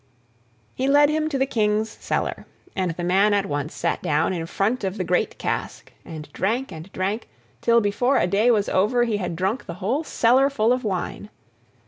He led him to the King's cellar, and the man at once sat down in front of the great cask, and drank and drank till before a day was over he had drunk the whole cellarful of wine.